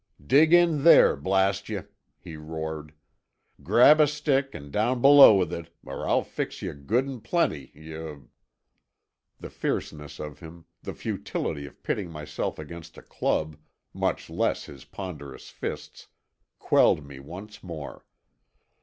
"Dig in there, blast yuh!" he roared. "Grab a stick an' down below with it, or I'll fix yuh good an' plenty, yuh——" The fierceness of him, the futility of pitting myself against a club, much less his ponderous fists, quelled me once more.